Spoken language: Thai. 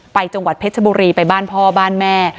จังหวัดเพชรบุรีไปบ้านพ่อบ้านแม่